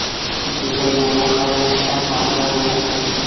ډوډۍ مو وخوړل ښه بانډار مو وکړ.